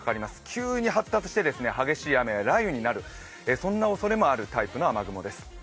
急に発達して激しい雨や雷雨になるおそれもあるタイプの雨雲です。